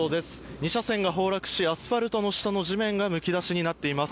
２車線が崩落しアスファルトの下の地面がむき出しになっています。